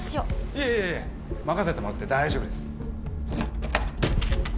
いえいえ任せてもらって大丈夫です。